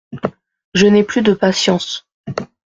Je n’ai plus de patience.